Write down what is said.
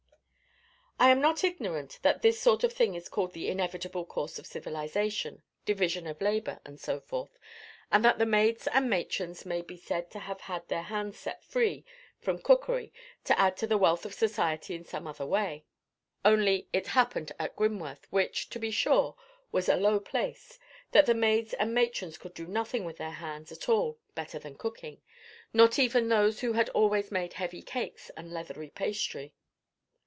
I am not ignorant that this sort of thing is called the inevitable course of civilization, division of labour, and so forth, and that the maids and matrons may be said to have had their hands set free from cookery to add to the wealth of society in some other way. Only it happened at Grimworth, which, to be sure, was a low place, that the maids and matrons could do nothing with their hands at all better than cooking: not even those who had always made heavy cakes and leathery pastry.